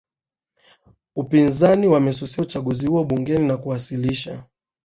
upinzani wamesusia uchaguzi huo bungeni na kuwasilisha